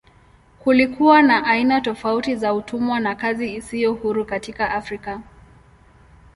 Kulikuwa na aina tofauti za utumwa na kazi isiyo huru katika Afrika.